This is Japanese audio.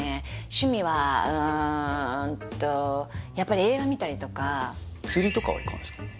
趣味はうーんとやっぱり映画見たりとか釣りとかは行かないですか？